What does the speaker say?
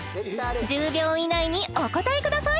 １０秒以内にお答えください